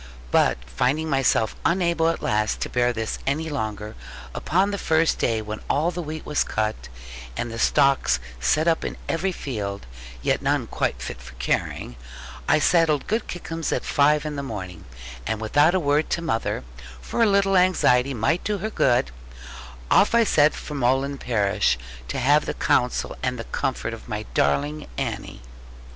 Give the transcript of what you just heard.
But finding myself unable at last to bear this any longer, upon the first day when all the wheat was cut, and the stooks set up in every field, yet none quite fit for carrying, I saddled good Kickums at five in the morning, and without a word to mother (for a little anxiety might do her good) off I set for Molland parish, to have the counsel and the comfort of my darling Annie.